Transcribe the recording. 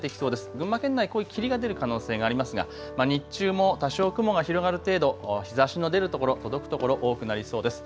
群馬県内、濃い霧が出る可能性がありますが日中も多少雲が広がる程度、日ざしの出るところ、届くところ、多くなりそうです。